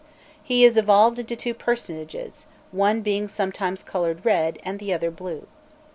He is evolved into two personages, one being sometimes coloured red, and the other blue.